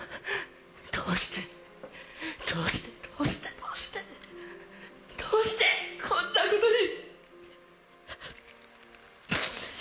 どうして、どうして、どうして、どうして、こんなことに。